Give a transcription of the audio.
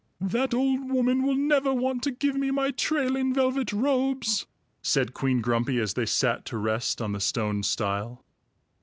"That old woman will never want to give me my trailing velvet robes," said Queen Grumpy, as they sat to rest on the stone stile.